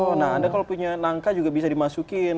oh nah anda kalau punya nangka juga bisa dimasukin